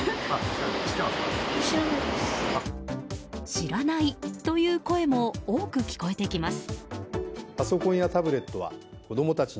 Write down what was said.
知らないという声も多く聞こえてきます。